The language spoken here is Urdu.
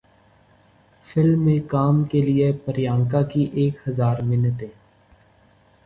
فلم میں کام کیلئے پریانکا کی ایک ہزار منتیں